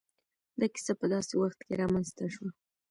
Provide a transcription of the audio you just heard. دا کيسه په داسې وخت کې را منځ ته شوه.